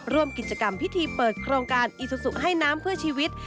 ร่วมกิจกรรมพิธีเปิดโครงการอีซูซูให้น้ำเพื่อชีวิต